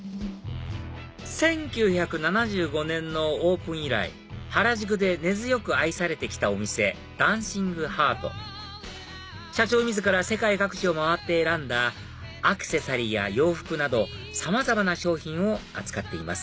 １９７５年のオープン以来原宿で根強く愛されて来たお店ダンシングハート社長自ら世界各地を回って選んだアクセサリーや洋服などさまざまな商品を扱っています